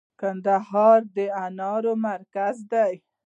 کندهار د انارو مرکز دی